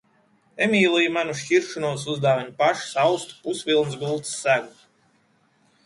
Emīlija man uz šķiršanos uzdāvina pašas austu pusvilnas gultas segu.